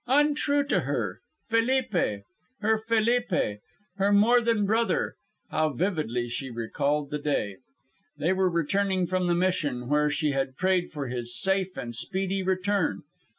Untrue to her! Felipe! Her Felipe; her more than brother! How vividly she recalled the day. They were returning from the Mission, where she had prayed for his safe and speedy return.